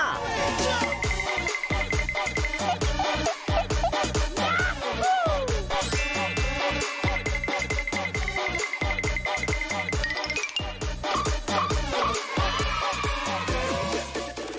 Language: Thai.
โอ้โฮโอ้โฮโอ้โฮโอ้โฮ